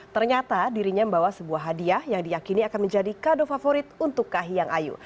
ternyata dirinya membawa sebuah hadiah yang diakini akan menjadi kado favorit untuk kahiyang ayu